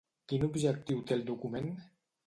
Quin objectiu té el document?